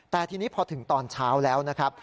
แต่ทีนี้พอถึงตอนเช้าแล้วนะครับ